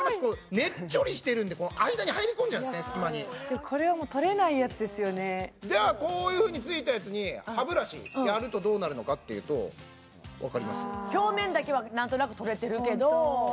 ねっちょりしてるんで間に入り込んじゃうんですね隙間にこれはもう取れないやつですよねではこういうふうについたやつに歯ブラシやるとどうなるのかっていうと分かります？